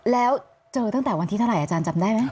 แล้วเจอตั้งแต่วันที่เท่าไหรอาจารย์จำได้ไหม